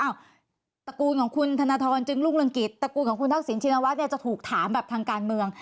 ตระกูลของคุณธนทรจึงรุ่งเรืองกิจตระกูลของคุณทักษิณชินวัฒน์เนี่ยจะถูกถามแบบทางการเมือง